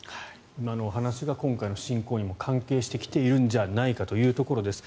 今のお話が今回の侵攻にも関係してきているんじゃないかというところです。